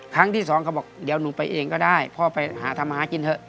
ครั้งที่สองเขาบอกเดี๋ยวหนูไปเองก็ได้พ่อไปหาทำมาหากินเถอะ